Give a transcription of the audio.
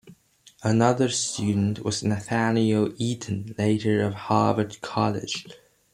Another student was Nathaniel Eaton, later of Harvard College.